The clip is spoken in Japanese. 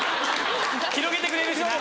広げてくれるしな。